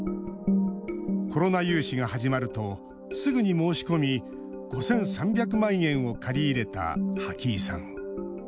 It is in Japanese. コロナ融資が始まるとすぐに申し込み５３００万円を借り入れた波木井さん。